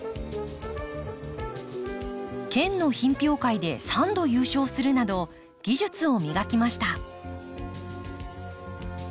県の品評会で３度優勝するなど技術を磨きました。